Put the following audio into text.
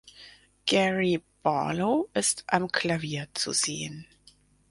Gary Barlow ist am Klavier zu sehen.